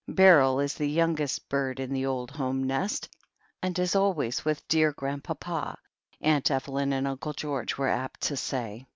"Beryl is the youngest bird in the old home nest, and is always with dear Grandpapa," Aunt Evelyn and Uncle George were apt to say.